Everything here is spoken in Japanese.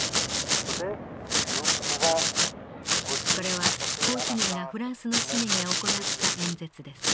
これはホー・チ・ミンがフランスの市民に行った演説です。